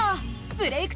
「ブレイクッ！